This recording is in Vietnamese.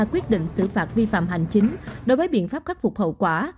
quyết định xử phạt vi phạm hành chính đối với biện pháp khắc phục hậu quả